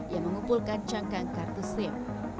yang mengumpulkan cangkang kartu sim